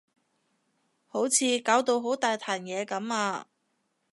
好似搞到好大壇嘢噉啊